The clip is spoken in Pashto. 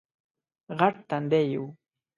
غټ تندی یې وو